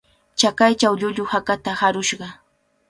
Chakaychaw llullu hakata harushqa